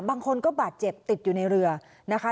บางคนก็บาดเจ็บติดอยู่ในเรือนะคะ